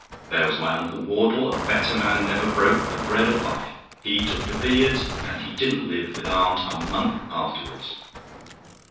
There was my uncle Wardle; a better man never broke the bread of life: he took to billiards, and he didn't live with aunt a month afterwards.